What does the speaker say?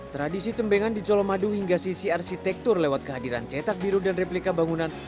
tradisi cembengan di colomadu hingga sisi arsitektur lewat kehadiran cetak biru dan replika bangunan